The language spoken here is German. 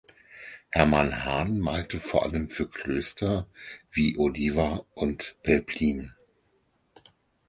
Herman Han malte vor allem für Klöster wie Oliva und Pelplin.